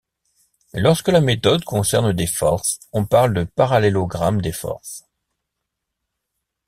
Lorsque la méthode concerne des forces, on parle de parallélogramme des forces.